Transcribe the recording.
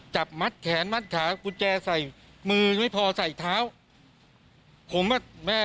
ใจคุณแม่อยากให้ประหางไหมครับ